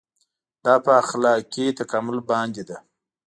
دا په اخلاقي تکامل باندې ده.